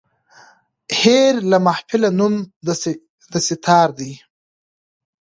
هېر له محفله نوم د سیتار دی